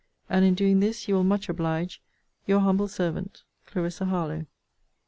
And in doing this you will much oblige Your humble servant, CLARISSA HARLOWE.